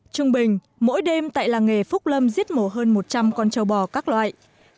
trung bình mỗi đêm tại làng nghề phúc lâm giết mổ hơn một trăm linh con trâu bò các loại